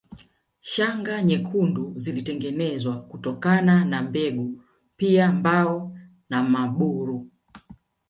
Shanga nyekundu zilitengenezwa kutokana na mbegu pia mbao na maburu